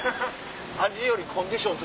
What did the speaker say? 味よりコンディション